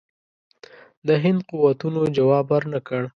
د هند قوتونو جواب ورنه کړ.